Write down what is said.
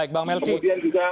sekarang waktunya kemudian juga